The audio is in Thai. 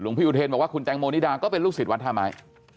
พี่อุเทนบอกว่าคุณแตงโมนิดาก็เป็นลูกศิษย์วัดท่าไม้